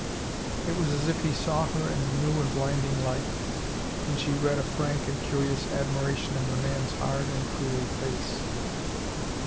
It was as if he saw her in a new and blinding light and she read a frank and curious admiration on the man's hard and cruel face.